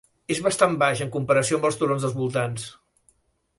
És bastant baix en comparació amb els turons dels voltants.